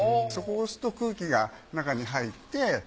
そこを押すと空気が中に入って。